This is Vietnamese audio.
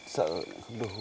không không không